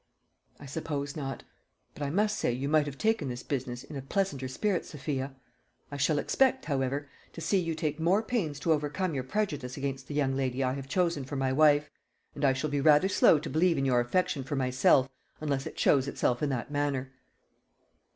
"I suppose not. But I must say, you might have taken this business in a pleasanter spirit, Sophia. I shall expect, however, to see you take more pains to overcome your prejudice against the young Indy I have chosen for my wife; and I shall be rather slow to believe in your affection for myself unless it shows itself in that manner."